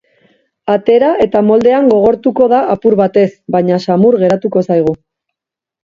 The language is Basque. Atera eta moldean gogortuko da apur batez, baina samur geratuko zaigu.